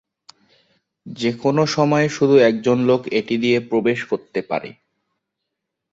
যেকোনো সময়ে শুধু একজন লোক এটি দিয়ে প্রবেশ করতে পারে।